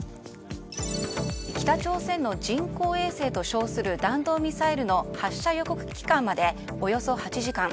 北朝鮮の人工衛星と称する弾道ミサイルの発射予告期間までおよそ８時間。